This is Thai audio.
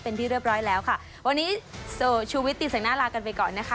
เป็นที่เรียบร้อยแล้ววันนี้นายสวิตช์ตีแสงหน้าลากันไปก่อน